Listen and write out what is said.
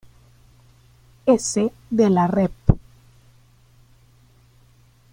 S. de la Rep.